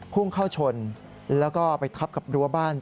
พุ่งเข้าชนแล้วก็ไปทับกับรั้วบ้าน